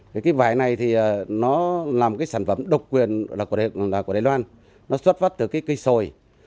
thì cái vải này thì nó là một cái sản phẩm độc quyền của đài loan nó xuất phát từ cái cây sồi